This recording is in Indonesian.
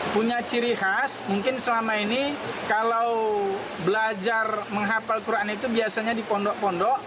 punya ciri khas mungkin selama ini kalau belajar menghapal quran itu biasanya di pondok pondok